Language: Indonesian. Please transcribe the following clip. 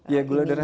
ya gula darah